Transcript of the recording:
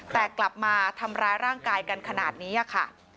แต่กลับมาทำร้ายร่างกายกันขนาดนี้ค่ะ